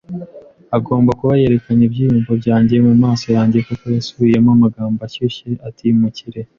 agomba kuba yerekanye ibyiyumvo byanjye mumaso yanjye, kuko yasubiyemo amagambo ashyushye ati: "Mukire!